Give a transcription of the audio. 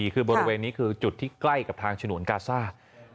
คือบริเวณนี้คือจุดที่ใกล้กับทางฉนวนกาซ่า